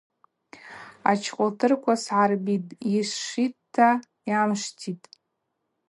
Ачкъвылтырква сгӏарбитӏ, йшвшвитӏта йамшвтитӏ.